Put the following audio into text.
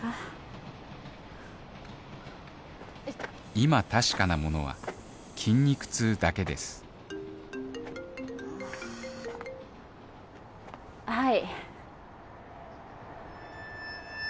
今確かなものは筋肉痛だけですはい。